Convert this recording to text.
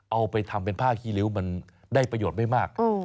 เอาไปทำเป็นผ้าขี้ริ้วมันได้ประโยชน์ไม่มาก